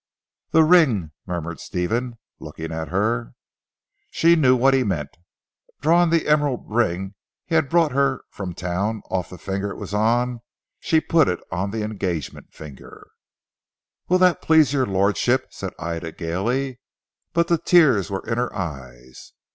"The ring?" murmured Stephen, looking at her. She knew what he meant. Drawing the emerald ring he had brought her from town off the finger it was on, she put it on the engagement finger. "Will that please your lordship?" said Ida gaily, but the tears were in her eyes.